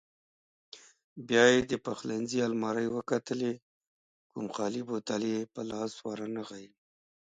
بیا یې د پخلنځي المارۍ وکتلې، کوم خالي بوتل یې په لاس ورنغی.